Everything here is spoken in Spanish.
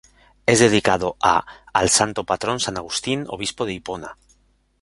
Es dedicado a al Santo Patrón San Agustín, Obispo de Hipona.